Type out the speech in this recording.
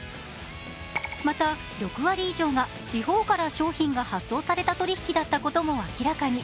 また、６割以上が地方から商品が発送された取引だったことも明らかに。